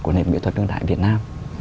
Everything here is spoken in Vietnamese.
của nền nghệ thuật tương đại việt nam